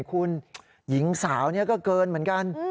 คุณหญิงสาวนี้ก็เกินเหมือนกัน